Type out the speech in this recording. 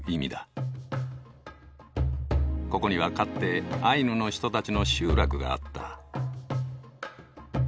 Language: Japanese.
ここにはかつてアイヌの人たちの集落があった。